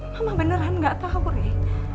mama beneran gak tau reh